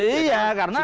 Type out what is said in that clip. iya karena memang